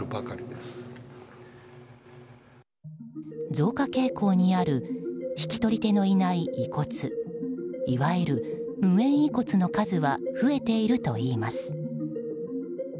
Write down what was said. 増加傾向にある引き取り手のいない遺骨いわゆる無縁遺骨の数は増えているといいます。